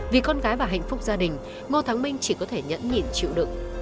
vì con gái và hạnh phúc gia đình ngô thắng minh chỉ có thể nhẫn nhịn chịu đựng